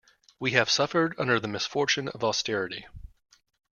We have suffered under the misfortune of austerity.